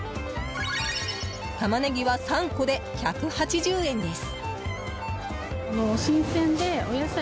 タマネギは３個で１８０円です。